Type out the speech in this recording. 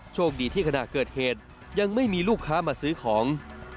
และเห้อภูมิให้พี่หายออกทิ้ง